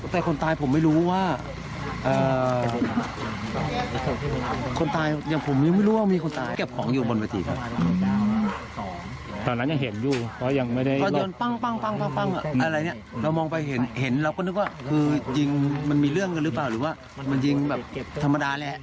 ปกติว่ามันมีเรื่องหรือเปล่ามันยิงแบบธรรมดาแรก